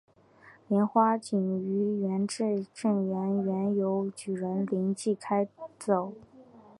莲花井于元至正元年由举人林济开凿。